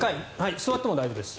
座っても大丈夫です。